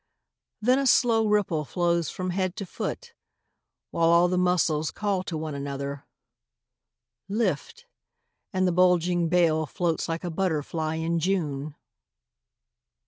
Then a slow ripple flows along the body, While all the muscles call to one another :" Lift !" and the bulging bale Floats like a butterfly in June.